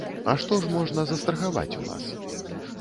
А што ж можна застрахаваць у нас?